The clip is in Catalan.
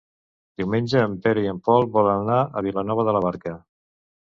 Diumenge en Pere i en Pol volen anar a Vilanova de la Barca.